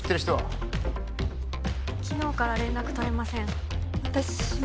・昨日から連絡取れません・